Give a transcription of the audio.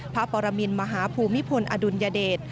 ปรมินมหาภูมิพลอดุลยเดช